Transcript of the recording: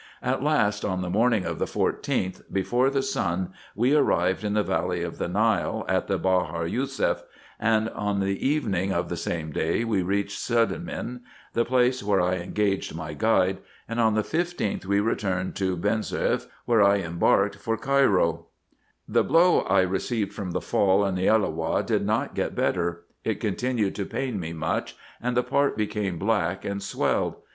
At last, on the morning of the 14th, before the sun, we arrived in the valley of the Nile, at the Bahar Yousef: on the evening of the same day we reached Sedmin, the place where I engaged my guide ; and on the 15th, we returned to Eenesoeuf, where I embarked for Cairo. 3 K 434 RESEARCHES AND OPERATIONS The blow I received from the fall in the Elloah did not get better ; it continued to pain me much, and the part became black, and swelled.